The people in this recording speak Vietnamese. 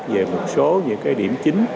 về một số những điểm chính